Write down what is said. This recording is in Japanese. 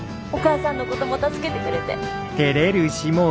お母さんのことも助けてくれて。